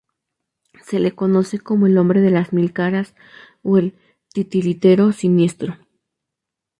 Se le conoce como "El hombre de las mil caras" o "El titiritero siniestro".